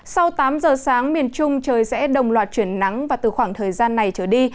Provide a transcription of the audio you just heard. sau tám giờ sáng miền trung trời sẽ đồng loạt chuyển nắng và từ khoảng thời gian này trở đi